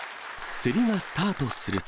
競りがスタートすると。